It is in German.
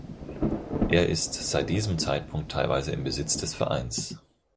Er ist seit diesem Zeitpunkt teilweise im Besitz des Vereins.